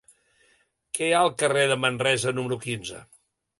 Què hi ha al carrer de Manresa número quinze?